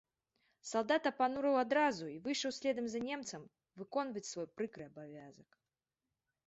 Салдат апанураў адразу і выйшаў следам за немцам выконваць свой прыкры абавязак.